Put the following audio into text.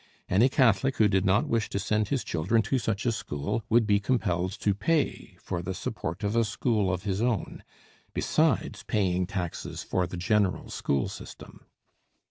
Any Catholic who did not wish to send his children to such a school would be compelled to pay for the support of a school of his own, besides paying taxes for the general school system.